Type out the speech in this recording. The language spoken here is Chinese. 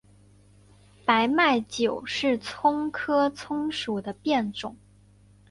白脉韭是葱科葱属的变种。